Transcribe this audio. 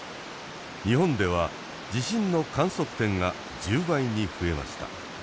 日本では地震の観測点が１０倍に増えました。